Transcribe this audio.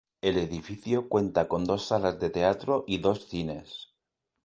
El edificio cuenta con dos salas de teatro y dos cines.